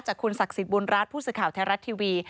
คุณศักดิ์สิทธิบุญรัฐผู้สื่อข่าวไทยรัฐทีวี